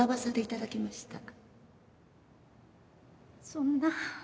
そんな。